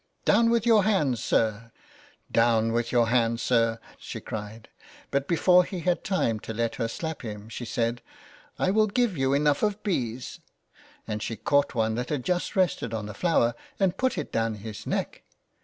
" Down with your hands, sir, down with your hands, sir," she cried, but before he had time to let her slap him she said —'' I will give you enough of bees," and she caught one that had just rested on a flower and put it down his neck.